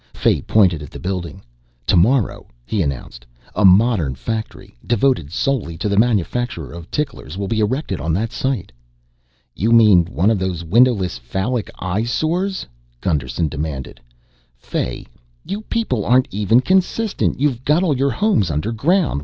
Fay pointed at the building. "Tomorrow," he announced, "a modern factory, devoted solely to the manufacture of ticklers, will be erected on that site." "You mean one of those windowless phallic eyesores?" Gusterson demanded. "Fay, you people aren't even consistent. You've got all your homes underground.